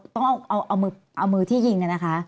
ต้องเอามือที่ยิงนะคะ